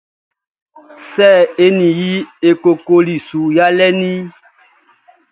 Sɛ e ni i e kokoli su yalɛʼn ni?